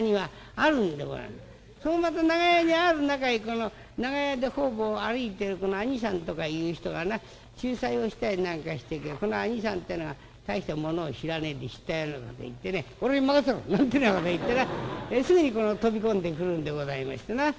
そのまた長屋にある中へ長屋で方々歩いてる兄さんとかいう人がな仲裁をしたりなんかしててこの兄さんってえのが大してものを知らねえで知ったようなこと言ってね「俺に任せろ！」なんてなこと言ってなすぐに飛び込んでくるんでございまして。